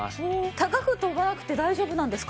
高く跳ばなくて大丈夫なんですか？